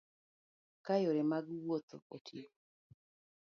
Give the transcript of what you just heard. Ka yore mag wuoth otigo